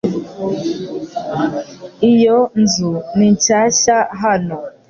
Iyo nzu ni shyashya hano .